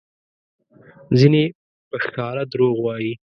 ځینې په ښکاره دروغ وایي؛